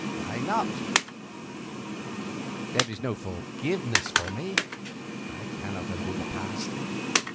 Why not? There is no forgiveness for me, I cannot undo the past.